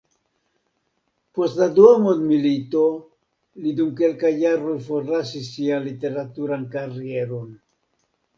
Post la Dua mondmilito li dum kelkaj jaroj forlasis sian literaturan karieron.